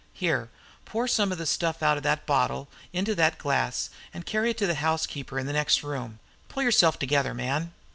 Here, pour some of the stuff out of that bottle into that glass, and carry it to the housekeeper in the next room. Pull yourself together, man!"